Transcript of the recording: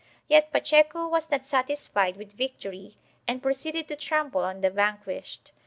Yet Pacheco was not satisfied with victory and proceeded to trample on the vanquished.